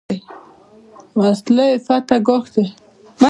وسله عفت ته ګواښ ده